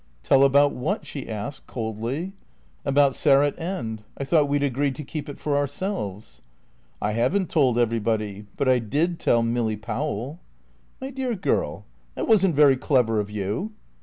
"Tell about what?" she asked, coldly. "About Sarratt End. I thought we'd agreed to keep it for ourselves." "I haven't told everybody. But I did tell Milly Powell." "My dear girl, that wasn't very clever of you."